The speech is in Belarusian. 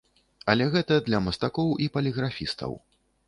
Але гэта для мастакоў і паліграфістаў.